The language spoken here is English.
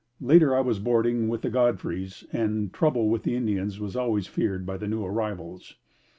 Later I was boarding with the Godfrey's and trouble with the Indians was always feared by the new arrivals.